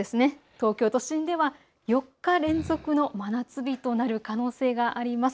東京都心では４日連続の真夏日となる可能性があります。